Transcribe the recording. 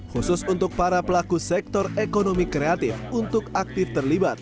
khusus untuk para pelaku sektor ekonomi kreatif untuk aktif terlibat